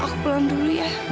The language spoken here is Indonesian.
aku pulang dulu ya